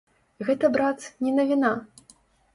Гэта, брат, не навіна!